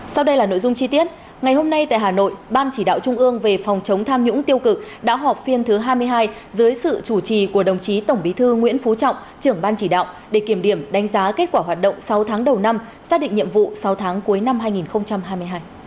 sau đây là nội dung chi tiết ngày hôm nay tại hà nội ban chỉ đạo trung ương về phòng chống tham nhũng tiêu cực đã họp phiên thứ hai mươi hai dưới sự chủ trì của đồng chí tổng bí thư nguyễn phú trọng trưởng ban chỉ đạo để kiểm điểm đánh giá kết quả hoạt động sáu tháng đầu năm xác định nhiệm vụ sáu tháng cuối năm hai nghìn hai mươi hai